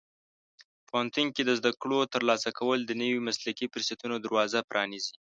پوهنتون کې د زده کړو ترلاسه کول د نوي مسلکي فرصتونو دروازه پرانیزي.